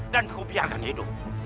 dan aku biarkan hidup